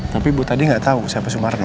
tapi ibu tadi gatau siapa sumarno